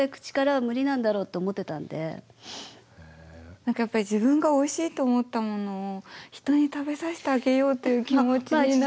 何かやっぱり自分がおいしいと思ったものを人に食べさせてあげようっていう気持ちになる。